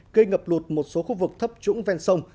gây ngập lụt một số khu vực thấp trũng ven sông